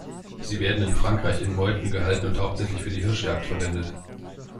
Sie werden in Frankreich in Meuten gehalten und hauptsächlich für die Hirschjagd verwendet.